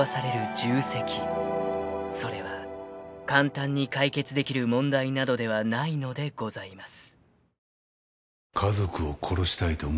［それは簡単に解決できる問題などではないのでございます］